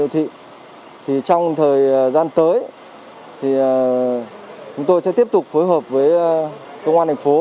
thì trong thời gian tới thì chúng tôi sẽ tiếp tục phối hợp với công an thành phố